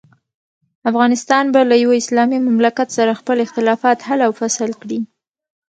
افغانستان به له یوه اسلامي مملکت سره خپل اختلافات حل او فصل کړي.